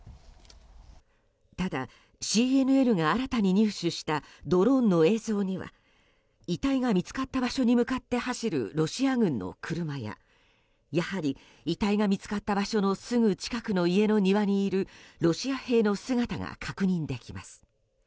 ただ、ＣＮＮが新たに入手したドローンの映像には遺体が見つかった場所に向かって走るロシア軍の車ややはり遺体が見つかった場所のすぐ近くの家の庭にいるロシア兵の姿が確認できます。